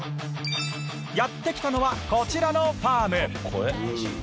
やって来たのはこちらのファーム。